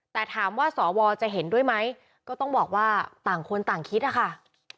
แต่ถามว่าสวจะเห็นด้วยไหมก็ต้องบอกว่าต่างคนต่างคิดนะคะ